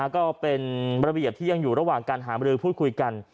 ก็เป็นบริเวณที่ยังอยู่ระหว่างการหาบริษัทพูดคุยกัน